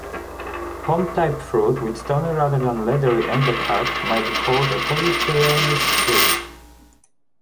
Pome-type fruit with stony rather than leathery endocarp may be called a polypyrenous drupe.